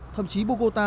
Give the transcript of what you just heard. thậm chí bogota